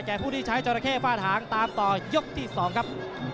แก่ผู้ที่ใช้จอระเข้ฝ้าถางตามต่อยกที่๒ครับ